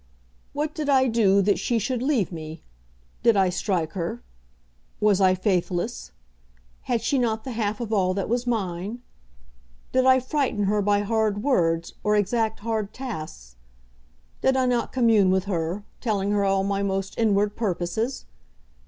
"What did I do that she should leave me? Did I strike her? Was I faithless? Had she not the half of all that was mine? Did I frighten her by hard words, or exact hard tasks? Did I not commune with her, telling her all my most inward purposes?